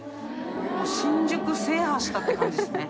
もう新宿制覇したって感じですね。